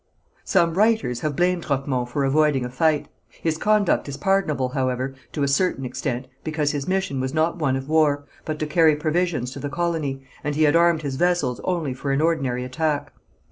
Some writers have blamed Roquemont for avoiding a fight. His conduct is pardonable, however, to a certain extent, because his mission was not one of war, but to carry provisions to the colony, and he had armed his vessels only for any ordinary attack.